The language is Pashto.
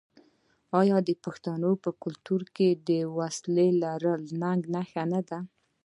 آیا د پښتنو په کلتور کې د وسلې لرل د ننګ نښه نه ده؟